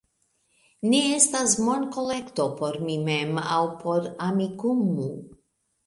Ne estas monkolekto por mi mem aŭ por Amikumu